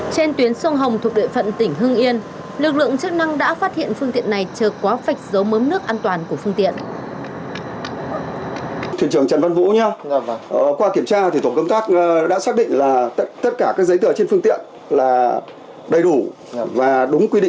trên tuyến sông hồng thuộc đội phận tỉnh hương yên lực lượng chức năng đã phát hiện phương tiện này